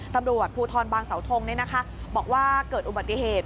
ตำรวจภูทรบางเสาทงบอกว่าเกิดอุบัติเหตุ